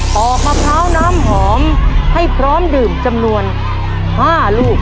อกมะพร้าวน้ำหอมให้พร้อมดื่มจำนวน๕ลูก